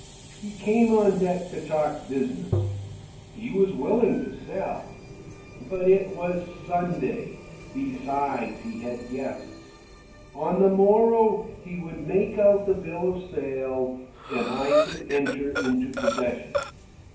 He came on deck to talk business. He was willing to sell. But it was Sunday. Besides, he had guests. On the morrow he would make out the bill of sale and I could enter into possession.